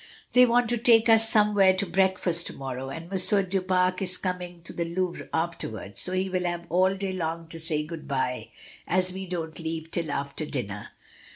They want to 124 MRS. DYMOND. take us somewhere to breakfast to morrow, and M. du Pare is coming on to the Louvre afterwards, so he will have all day long to say good bye, as we don't leave till after dinner."